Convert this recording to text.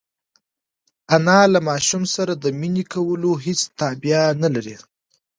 انا له ماشوم سره د مینې کولو هېڅ تابیا نهلري.